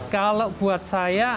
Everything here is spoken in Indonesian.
kalau buat saya